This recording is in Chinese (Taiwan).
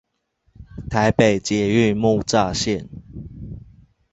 台北捷運木柵線